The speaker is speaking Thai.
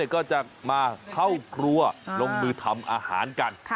ก็จะมาเข้าครัวลงมือทำอาหารกัน